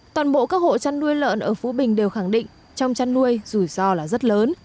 toàn bộ các hộ chăn nuôi lợn ở phú bình đều khẳng định trong chăn nuôi rủi ro là rất lớn